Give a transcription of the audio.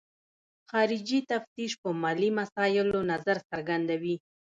خارجي تفتیش په مالي مسایلو نظر څرګندوي.